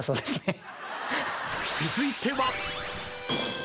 ［続いては］